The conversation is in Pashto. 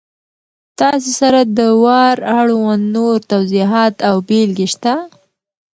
تاسې سره د وار اړوند نور توضیحات او بېلګې شته!